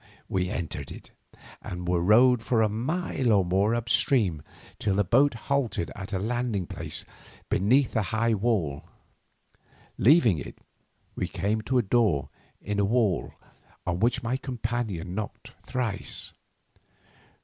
We entered it, and were rowed for a mile or more up the stream till the boat halted at a landing place beneath a high wall. Leaving it, we came to a door in the wall on which my companion knocked thrice.